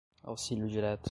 auxílio direto